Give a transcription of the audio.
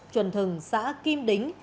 chuẩn thừng xã kim đính